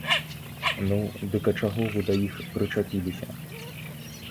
Ну, дык а чаго вы да іх прычапіліся?